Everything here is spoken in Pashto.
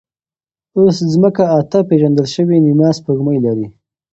اوس ځمکه اته پېژندل شوې نیمه سپوږمۍ لري.